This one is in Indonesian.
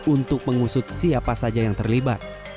untuk mengusut siapa saja yang terlibat